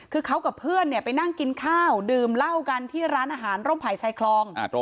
คือเขากับเพื่อนไปนั่งกินข้าวดื่มเหล้ากันที่ร้านอาหารร่มไผ่ชายคลอง